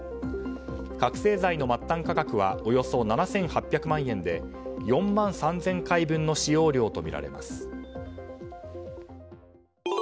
覚醒剤の末端価格はおよそ７８００万円で４万３０００回分の使用量とみられます。